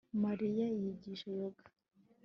Mariya yigisha yoga